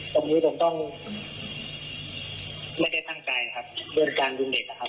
ตรงนี้ผมต้องไม่ได้ตั้งใจครับเรื่องการดึงเด็กนะครับ